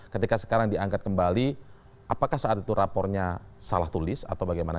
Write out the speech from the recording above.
ketika sekarang diangkat kembali apakah saat itu rapornya salah tulis atau bagaimana